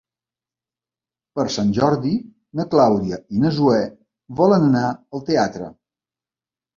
Per Sant Jordi na Clàudia i na Zoè volen anar al teatre.